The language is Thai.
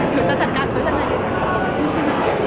หรือว่าจะจัดการเค้าอย่างไร